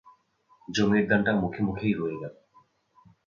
জমির দানটা মুখে মুখেই রয়ে গেল।